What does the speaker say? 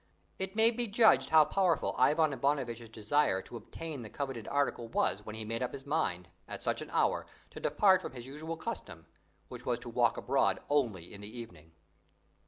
It may be judged how powerful Ivan Ivanovitch's desire to obtain the coveted article was when he made up his mind, at such an hour, to depart from his usual custom, which was to walk abroad only in the evening.